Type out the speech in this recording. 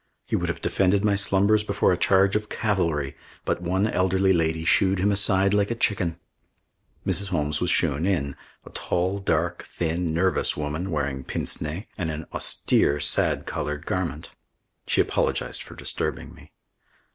He would have defended my slumbers before a charge of cavalry; but one elderly lady shoo'd him aside like a chicken. Mrs. Holmes was shewn in, a tall, dark, thin, nervous woman wearing pince nez and an austere sad coloured garment. She apologised for disturbing me.